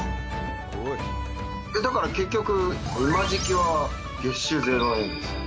だから結局今時季は月収ゼロ円です。